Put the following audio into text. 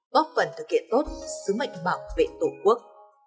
góp phần thực hiện tốt sứ mệnh bảo vệ tổ quốc